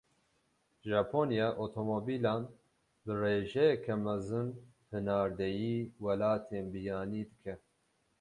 Japonya, otomobîlan bi rêjeyeke mezin hinardeyî welatên biyanî dike.